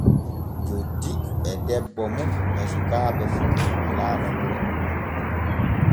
Joddi e debbo mum e sukaaɓe fu walaano wuro.